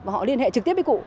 họ liên hệ trực tiếp với cụ